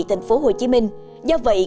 thành phố hồ chí minh do vậy